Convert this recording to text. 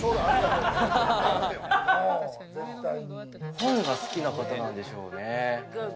本が好きな方なんでしょうね。